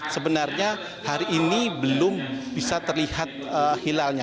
sebenarnya hari ini belum bisa terlihat hilalnya